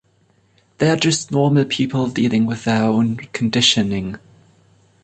They are just normal people dealing with their own conditioning.